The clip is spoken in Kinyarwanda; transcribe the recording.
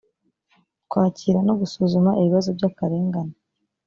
kwakira no gusuzuma ibibazo by akarengane